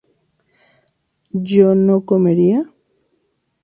¿yo no comería?